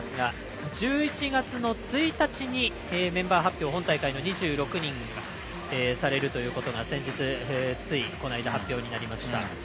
１１月の１日にメンバー本大会の２６人が発表されることが先日、ついこの間発表になりました。